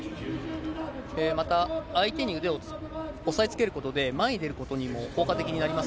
また、相手に腕を押さえつけることで、前に出ることにも効果的になりま